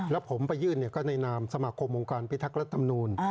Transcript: แล้วผมไปยื่นก็ในนามสมัครมองค์การปิธักรัติดำนูญ